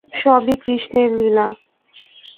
সবই কৃষ্ণের লীলা।